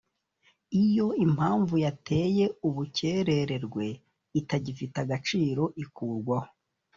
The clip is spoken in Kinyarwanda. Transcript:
iyo impamvu yateye ubukerererwe itagifite agaciro ikurwaho